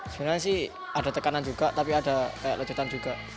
sebenarnya sih ada tekanan juga tapi ada lejutan juga